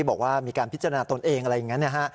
บอกว่ามีการพิจารณาตนเองอะไรอย่างนั้นนะฮะ